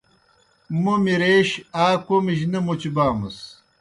موْ مِرِیش آ کوْمِجیْ نہ مُچبامَس۔